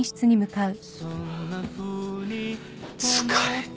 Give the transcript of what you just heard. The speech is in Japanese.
疲れた。